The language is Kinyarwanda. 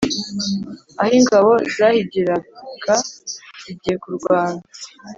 aho ingabo zahigiraga zigiye kurwana.